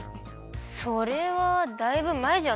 それはだいぶまえじゃない？